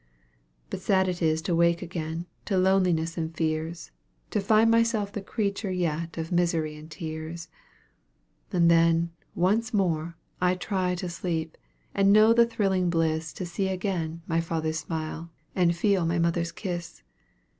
But sad is it to wake again, to loneliness and fears; To find myself the creature yet of misery and tears; And then, once more, I try to sleep, and know the thrilling bliss To see again my father's smile, and feel my mother's kiss.